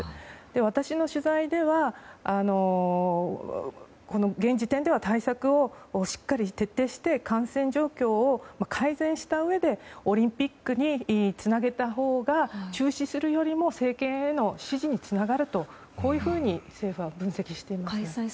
私の取材では現時点では対策をしっかり徹底して感染状況を改善したうえで、オリンピックにつなげたほうが中止するよりも政権への支持につながると、こういうふうに政府は分析しています。